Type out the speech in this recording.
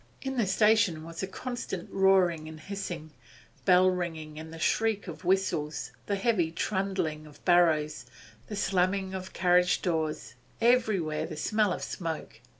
In the station was a constant roaring and hissing, bell ringing and the shriek of whistles, the heavy trundling of barrows, the slamming of carriage doors; everywhere a smell of smoke.